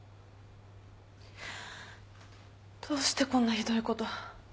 どうしてこんなひどいこと。